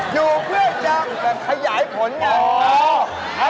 อยู่เพื่อนยังแต่ขยายผลอย่างนั้น